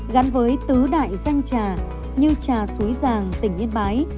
gắn với tứ đại danh chà như chà suối giàng tỉnh yên bái